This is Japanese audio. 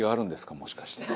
もしかして。